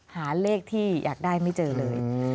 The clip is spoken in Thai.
หาเลขที่อยากได้ไม่เจอเลย